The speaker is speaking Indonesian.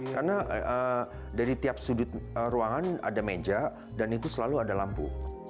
karena dari tiap sudut ruangan ada meja dan itu selalu ada lampu